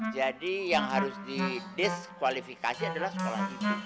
jadi yang harus di disqualifikasi adalah sekolah ibu